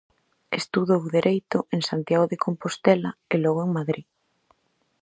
Estudou dereito en Santiago de Compostela e logo en Madrid.